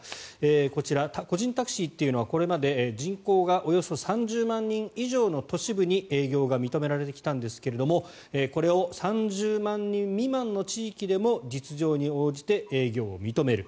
こちら、個人タクシーというのはこれまで人口がおよそ３０万人以上の都市部に営業が認められてきたんですがこれを３０万人未満の地域でも実情に応じて営業を認める。